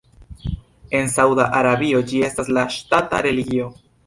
En Sauda Arabio ĝi estas la ŝtata religio.